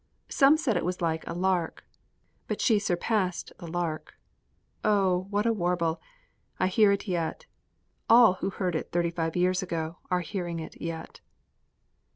Some said it was like a lark, but she surpassed the lark. Oh, what a warble! I hear it yet. All who heard it thirty five years ago are hearing it yet.